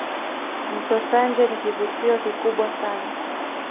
Mto Sanje ni kivutio kikubwa sana